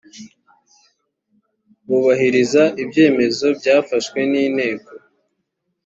bubahiriza ibyemezo byafashwe n inteko